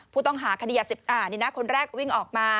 ผู้ต้องหาคดียา๑คนแรกวิ่งออกมา